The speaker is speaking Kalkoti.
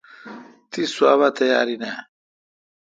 تس سواب تیار این اؘ۔